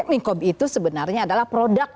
ningkob itu sebenarnya adalah produk